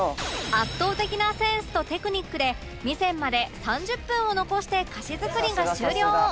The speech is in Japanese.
圧倒的なセンスとテクニックで味仙まで３０分を残して歌詞作りが終了